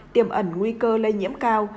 tiềm ẩn nguy cơ lây nhiễm cao